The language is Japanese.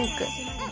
うん。